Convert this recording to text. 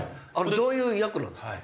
どういう役なんですか？